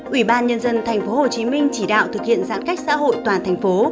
ủy ban nhân dân tp hcm chỉ đạo thực hiện giãn cách xã hội toàn thành phố